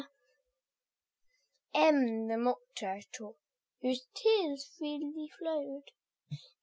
M, the Mock Turtle, whose tears freely flowed.